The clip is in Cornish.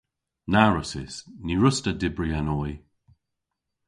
Na wrussys. Ny wruss'ta dybri an oy.